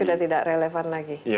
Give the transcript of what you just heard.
sudah tidak relevan lagi